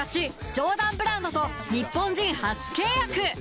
ジョーダンブランドと日本人初契約。